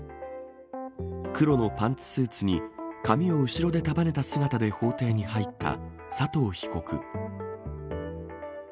黒のパンツスーツに髪を後ろで束ねた姿で法廷に入った佐藤被告。